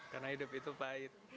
karena hidup itu pahit